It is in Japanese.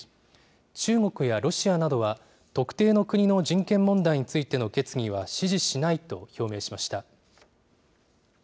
中国やロシアなどは、特定の国の人権問題についての決議は支持しないと表明しました。